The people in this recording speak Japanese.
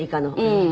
うん。